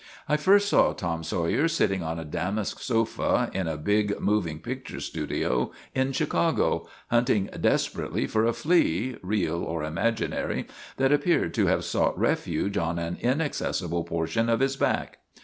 I first saw Tom Sawyer sitting on a damask sofa in a big moving picture studio in Chicago, hunting desperately for a flea real or imaginary that appeared to have sought refuge on an inaccessible portion of his back.